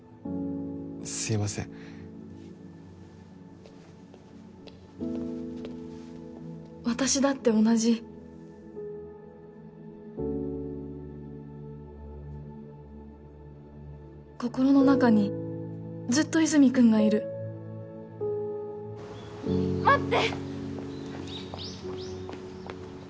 すいません私だって同じ心の中にずっと和泉君がいる待って！